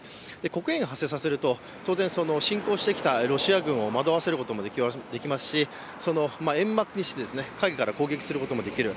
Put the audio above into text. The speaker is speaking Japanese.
黒煙を発生させると当然、侵攻してきたロシア軍をまどわせることもできますし煙幕にして陰から攻撃をすることもできる。